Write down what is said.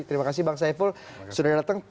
terima kasih bang saiful sudah datang